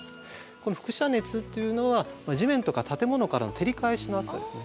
この輻射熱っていうのは地面とか建物からの照り返しの暑さですね。